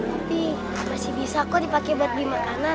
tapi masih bisa kok dipakai buat dimakanan